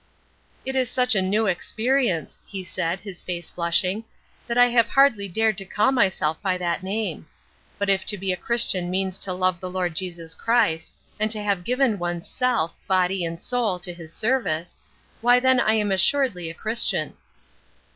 "It is such a new experience," he said, his face flushing, "that I have hardly dared to call myself by that name; but if to be a Christian means to love the Lord Jesus Christ, and to have given one's self, body and soul, to his service, why then I am assuredly a Christian."